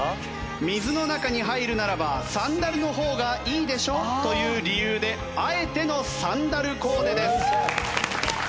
水の中に入るならばサンダルの方がいいでしょという理由であえてのサンダルコーデです。